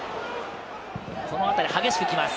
この辺り激しくきます